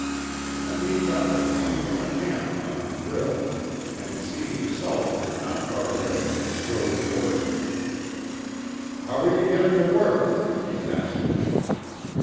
Then he caught the clink of a hammer on a drill, and seeing Salter not far away strode towards him. "How are you getting to work?" he asked.